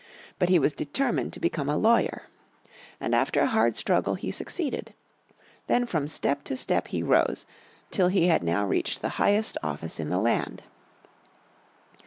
But he was determined to become a lawyer. And after a hard struggle he succeeded. Then from step to step he rose, till he had now reached the highest office in the land.